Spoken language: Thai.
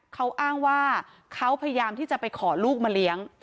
เขาอ้างว่าเขาพยายามที่จะไปขอลูกมาเลี้ยง